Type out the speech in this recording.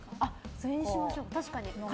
それにしましょうか。